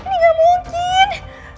ini gak mungkin